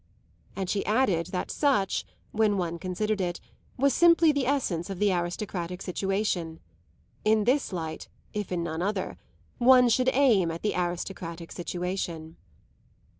And she added that such, when one considered it, was simply the essence of the aristocratic situation. In this light, if in none other, one should aim at the aristocratic situation.